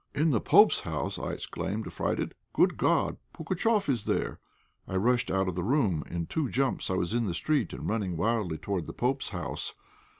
"In the pope's house!" I exclaimed, affrighted. "Good God! Pugatchéf is there!" I rushed out of the room, in two jumps I was in the street and running wildly towards the pope's house.